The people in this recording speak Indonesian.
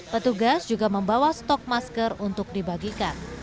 petugas juga membawa stok masker untuk dibagikan